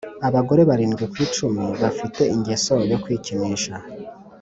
Abagore barindwi ku icumi bafite ingeso yo kwikinisha